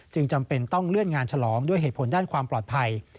จำเป็นต้องเลื่อนงานฉลองด้วยเหตุผลด้านความปลอดภัย